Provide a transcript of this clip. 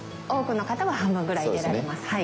多くの方は半分ぐらい入れられます。